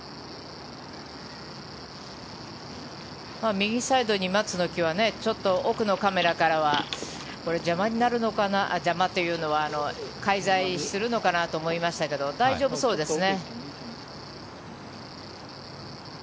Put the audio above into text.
右サイドに松の木はちょっと奥のカメラからはこれは邪魔になるのかな邪魔というのは介在するのかなと思いましたが大丈夫そうですね。